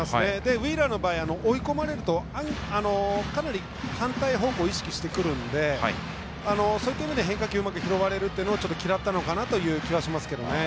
ウィーラーの場合追い込まれると、かなり反対方向を意識してくるのでそういった意味で変化球をうまく拾われるのを嫌ったのかなという気はしますけどね。